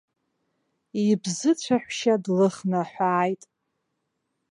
Ибзыцәаҳәшьа длыхнаҳәааит.